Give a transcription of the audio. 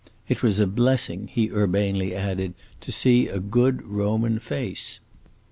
It was a blessing, he urbanely added, to see a good Roman face.